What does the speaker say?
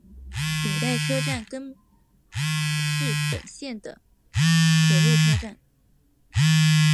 羽带车站根室本线的铁路车站。